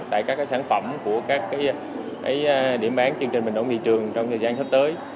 tại các sản phẩm của các điểm bán chương trình bình ổn thị trường trong thời gian sắp tới